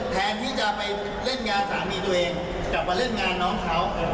แทนที่จะไปเล่นงานสามีตัวเองกลับมาเล่นงานน้องเขา